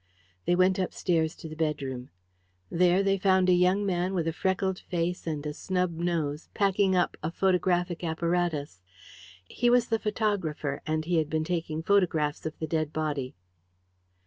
They went upstairs to the bedroom. There they found a young man, with a freckled face and a snub nose, packing up a photographic apparatus. He was the photographer, and he had been taking photographs of the dead body.